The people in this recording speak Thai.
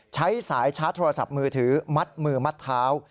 ใช้สายชาร์จโทรศัพท์มือถือมัดมือมัดเท้า